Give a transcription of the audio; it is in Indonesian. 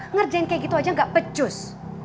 ngerjain kayak gitu aja gak pecus